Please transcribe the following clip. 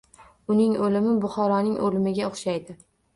Uning o‘limi Boburning o‘limiga o‘xshaydi.